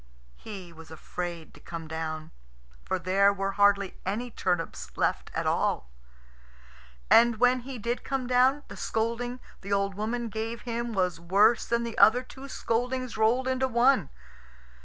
He was afraid to come down, for there were hardly any turnips left at all. And when he did come down, the scolding the old woman gave him was worse than the other two scoldings rolled into one.